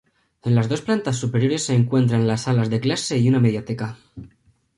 En las dos plantas superiores se encuentran las salas de clase y una mediateca.